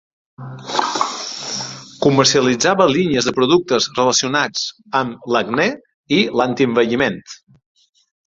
Comercialitzava línies de productes relacionats amb l'acne i l'antienvelliment.